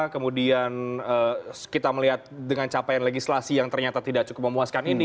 kemudian kita melihat dengan capaian legislasi yang ternyata tidak cukup memuaskan ini